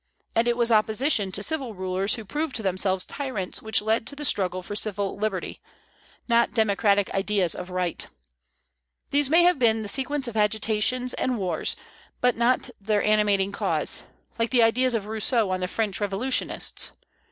And it was opposition to civil rulers who proved themselves tyrants which led to the struggle for civil liberty; not democratic ideas of right. These may have been the sequence of agitations and wars, but not their animating cause, like the ideas of Rousseau on the French revolutionists.